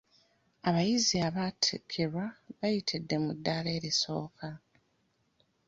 Abayizi abattikkirwa bayitidde mu ddaala erisooka.